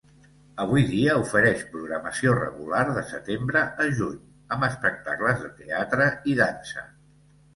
Avui dia ofereix programació regular de setembre a juny amb espectacles de teatre i dansa.